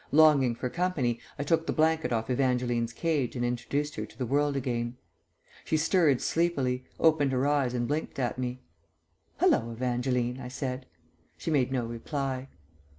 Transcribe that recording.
Longing for company, I took the blanket off Evangeline's cage and introduced her to the world again. She stirred sleepily, opened her eyes and blinked at me. "Hallo, Evangeline," I said. She made no reply.